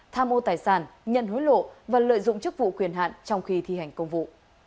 tham ô tài sản nhận hối lộ và lợi dụng chức vụ quyền hạn trong khi thi hành công vụ